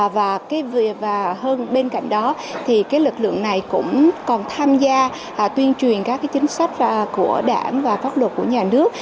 và hơn bên cạnh đó thì lực lượng này cũng còn tham gia tuyên truyền các chính sách của đảng và pháp luật của nhà nước